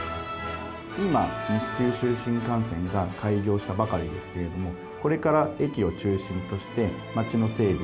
今西九州新幹線が開業したばかりですけれどもこれから駅を中心として町の整備